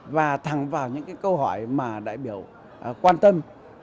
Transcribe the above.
và thẳng vào những câu hỏi mà đại biểu quan tâm